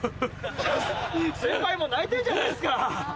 先輩も泣いてんじゃないっすか。